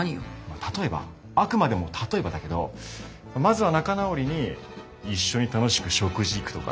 例えばあくまでも例えばだけどまずは仲直りに一緒に楽しく食事行くとか。